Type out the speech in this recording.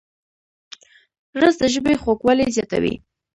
رس د ژبې خوږوالی زیاتوي